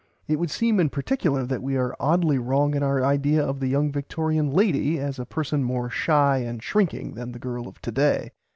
It would seem in particular that we are oddly wrong in our idea of the young Victorian lady as a person more shy and shrinking than the girl of to day.